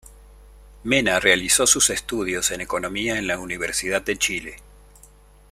Mena realizó sus estudios de Economía en la Universidad de Chile.